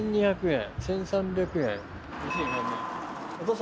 １，３００円。